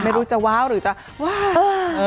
ไม่รู้จะว้าวหรือจะว้าว